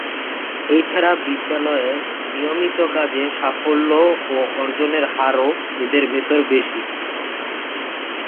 তাছাড়া বিদ্যালয়ের নিয়মিত কাজে সাফল্য ও অর্জনের হারও এদের ভেতর বেশি।